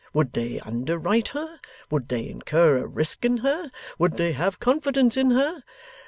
Would they underwrite her? Would they incur a risk in her? Would they have confidence in her?